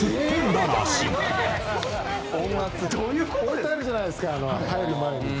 置いてあるじゃないですか入る前に。